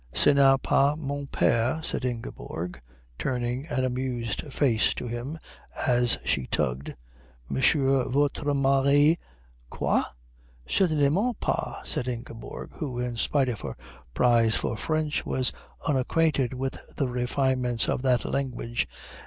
"Ce n'est pas mon père," said Ingeborg, turning an amused face to him as she tugged. "Monsieur votre mari " "Quoi? Certainement pas," said Ingeborg, who in spite of her prize for French was unacquainted with the refinements of that language.